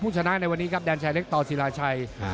ผู้ชนะในวันนี้ครับแดนชายเล็กตอร์ซีราชัย